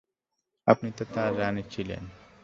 আপনি তো তাঁর রানী ছিলেন।